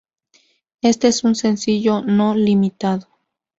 Este es un sencillo no limitado.